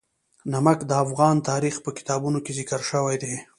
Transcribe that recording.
نمک د افغان تاریخ په کتابونو کې ذکر شوی دي.